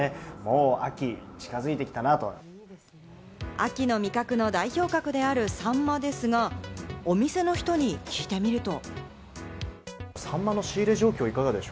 秋の味覚の代表格であるサンマですが、お店の人に聞いてみると。